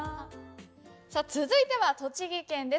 さあ続いては栃木県です。